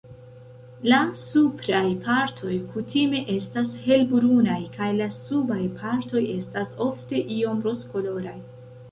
La supraj partoj kutime estas helbrunaj, kaj la subaj partoj estas ofte iom rozkoloraj.